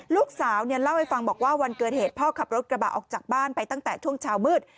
ลูกสาวเล่าให้ฟังบอกว่าวันเกิดเหตุพ่อขับรถกระบะออกจากบ้านไปตั้งแต่ช่วงเช้ามืด